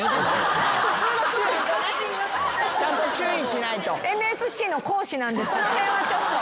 ちゃんと注意しないと。